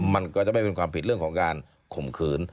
มันก็จะไม่เป็นความผิดเรื่องของการข่มขืน